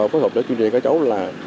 phối hợp để tuyên truyền cho các cháu là